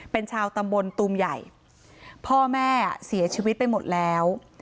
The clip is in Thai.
เป็นชาวตำบลตูมใหญ่พ่อแม่เสียชีวิตไปหมดแล้ว